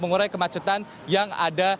mengurangi kemacetan yang ada